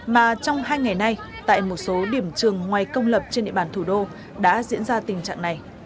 mà trong hai ngày nay tại một số điểm trường ngoài công lập trên địa bàn thủ đô đã diễn ra tình trạng này